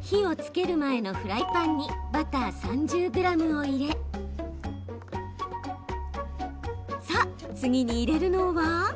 火をつける前のフライパンにバター３０ｇを入れ次に入れるのは。